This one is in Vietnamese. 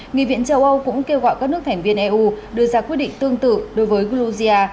nghị viện châu âu cũng kêu gọi các nước thành viên eu đưa ra quyết định tương tự đối với georgia